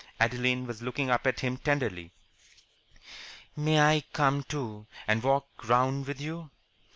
Adeline was looking up at him tenderly. "May I come, too, and walk round with you?"